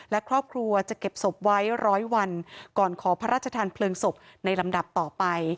และครอบครัวจะเก็บศพไว้ร้อยวันก่อนขอพระราชทานเพลิงศพในลำดับต่อไป